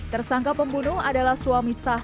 tersangka pembunuh adalah suami sah